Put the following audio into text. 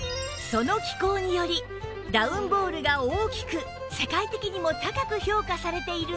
その気候によりダウンボールが大きく世界的にも高く評価されているんです